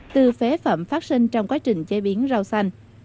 từ phế phẩm phát sinh trong quá trình chế biến rau xanh